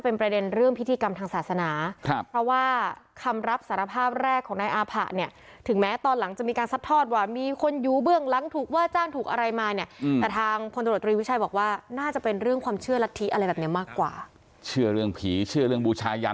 เป็นประเด็นเรื่องพิธีกรรมทางศาสนาครับเพราะว่าคำรับ